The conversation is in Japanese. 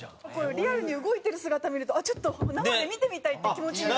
リアルに動いてる姿見るとちょっと生で見てみたいっていう気持ちになりますよ。